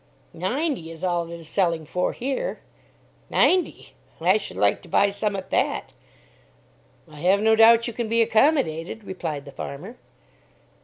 "Ninety is all it is selling for here." "Ninety! I should like to buy some at that." "I have no doubt you can be accommodated," replied the farmer.